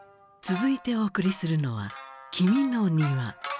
続いてお送りするのは「喜三の庭」。